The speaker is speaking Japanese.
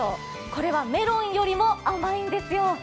これはメロンよりも甘いんですよ。